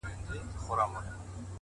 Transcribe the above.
اوس د شپې سوي خوبونه زما بدن خوري؛